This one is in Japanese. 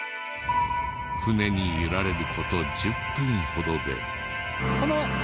船に揺られること１０分ほどで。